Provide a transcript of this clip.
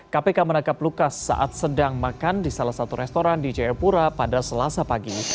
kpk menangkap lukas saat sedang makan di salah satu restoran di jayapura pada selasa pagi